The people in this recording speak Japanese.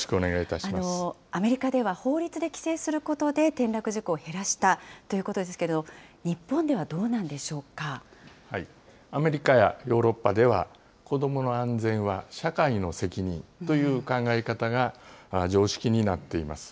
アメリカでは法律で規制することで転落事故を減らしたということですけれども、日本ではどうアメリカやヨーロッパでは、子どもの安全は社会の責任という考え方が常識になっています。